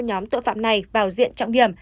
nhóm tội phạm này vào diện trọng điểm